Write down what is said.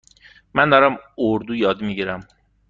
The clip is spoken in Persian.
من دارم اردو یاد می گیرم.